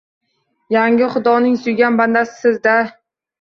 Yanga, xudoning suygan bandasisiz-da